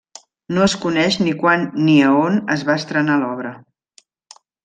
No es coneix ni quan ni a on es va estrenar l'obra.